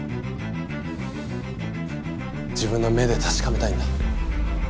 自分の目で確かめたいんだ。